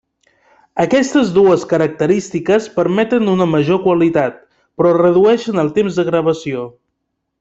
Aquestes dues característiques permeten una major qualitat, però redueixen el temps de gravació.